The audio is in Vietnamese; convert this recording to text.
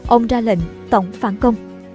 ông ra lệnh tổng phản công